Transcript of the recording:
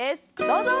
どうぞ！